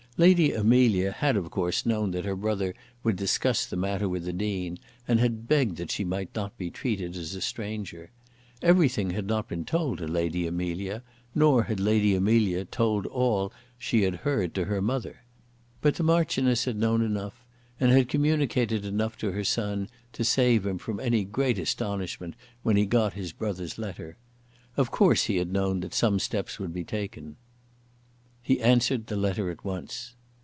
Lady Amelia had of course known that her brother would discuss the matter with the Dean, and had begged that she might not be treated as a stranger. Everything had not been told to Lady Amelia, nor had Lady Amelia told all that she had heard to her mother. But the Marchioness had known enough, and had communicated enough to her son to save him from any great astonishment when he got his brother's letter. Of course he had known that some steps would be taken. He answered the letter at once.